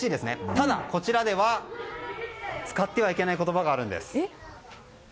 ただ、こちらでは使ってはいけない言葉があるんです。